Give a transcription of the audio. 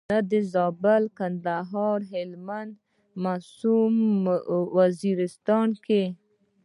نه د زابل، کندهار او هلمند په معصوم وزیرستان کې.